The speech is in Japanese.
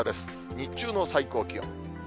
日中の最高気温。